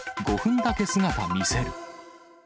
５分だけ姿見せる。